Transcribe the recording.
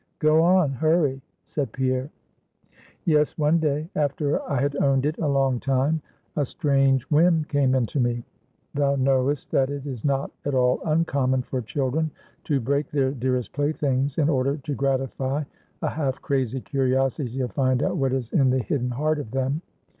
"Go on hurry," said Pierre. "Yes, one day, after I had owned it a long time, a strange whim came into me. Thou know'st that it is not at all uncommon for children to break their dearest playthings in order to gratify a half crazy curiosity to find out what is in the hidden heart of them.